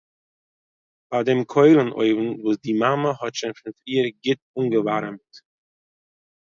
ביי דעם קוילן-אויוון וואס די מאמע האט שוין פון פריער גוט אנגעווארעמט